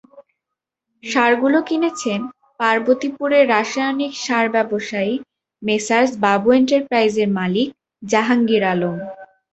সারগুলো কিনেছেন পার্বতীপুরের রাসায়নিক সার ব্যবসায়ী মেসার্স বাবু এন্টারপ্রাইজের মালিক জাহাঙ্গীর আলম।